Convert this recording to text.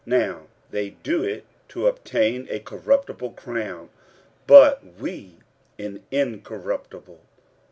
Now they do it to obtain a corruptible crown; but we an incorruptible.